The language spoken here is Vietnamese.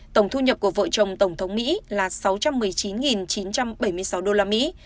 tổng thu nhập của vợ chồng tổng thống mỹ là sáu trăm một mươi chín chín trăm bảy mươi sáu đô la mỹ